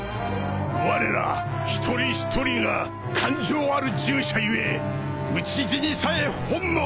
われら一人一人が感情ある従者故討ち死にさえ本望！